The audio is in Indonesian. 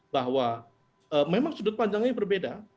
bahwa memang sudut panjangnya berbeda